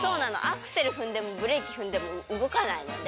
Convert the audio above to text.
アクセルふんでもブレーキふんでもうごかないので。